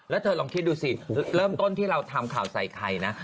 แล้วเธอลองคิดดูสิเริ่มต้นที่เราทำข่าวใส่ไข่นะ